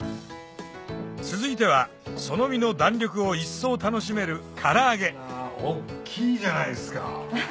続いてはその身の弾力を一層楽しめる大っきいじゃないですか。